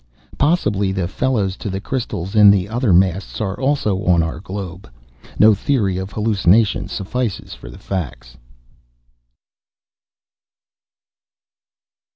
Possibly the fellows to the crystals in the other masts are also on our globe. No theory of hallucination suffices for the facts.